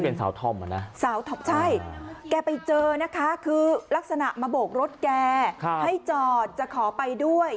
เป็นสาวธรรมใช่แกไปเจอนะคะคือลักษณะมะโบกรถแกให้จอดจะขอไปด้วย